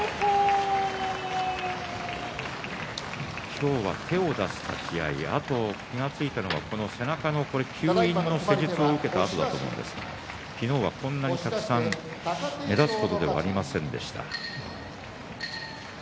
今日は手を出していきあと気がついたのは背中吸引の施術を受けた跡だと思うんですが昨日はこんなにたくさん目立つ程ではありませんでした。